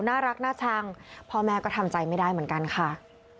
น่ารักน่าชังพ่อแม่ก็ทำใจไม่ได้เหมือนกันค่ะ